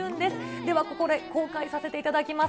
ではここで公開させていただきます。